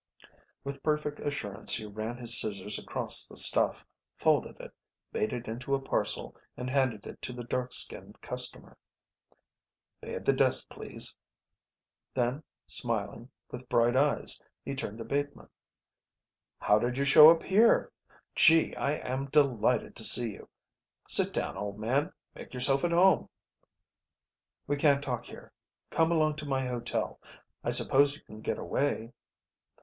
With perfect assurance he ran his scissors across the stuff, folded it, made it into a parcel, and handed it to the dark skinned customer. "Pay at the desk, please." Then, smiling, with bright eyes, he turned to Bateman. "How did you show up here? Gee, I am delighted to see you. Sit down, old man. Make yourself at home." "We can't talk here. Come along to my hotel. I suppose you can get away?"